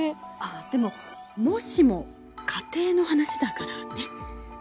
あでも「もしも」仮定の話だからね。